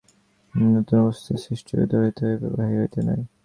এই নূতন অবস্থার সৃষ্টি ভিতর হইতেই হইবে, বাহির হইতে নয়।